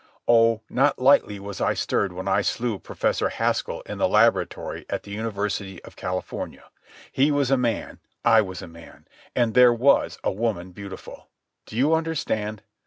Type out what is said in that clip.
Oh, not lightly was I stirred when I slew Professor Haskell in the laboratory at the University of California. He was a man. I was a man. And there was a woman beautiful. Do you understand?